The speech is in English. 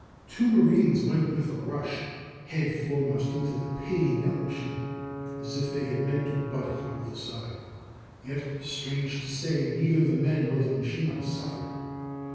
Two marines went with a rush head foremost into the paying out machine, as if they meant to butt it over the side, yet, strange to say, neither the men nor the machine suffered.